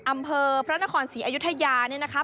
อำเภอพระนครศรีอยุธยาเนี่ยนะคะ